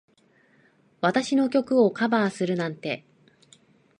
私の曲をカバーするなんて。